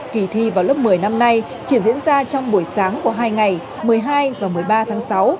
kỳ thi vào lớp một mươi năm nay chỉ diễn ra trong buổi sáng của hai ngày một mươi hai và một mươi ba tháng sáu